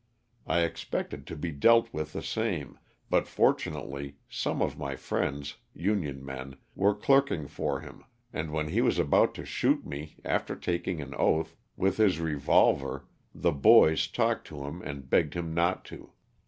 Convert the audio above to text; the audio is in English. I ex pected to be dealt with the same, but fortunately some of my friends (Union men) were clerking for him, and when he was about to shoot me, after taking an oath, with his revolver, the boys talked to him and begged him not to.